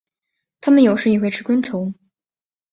它们有时也会吃昆虫。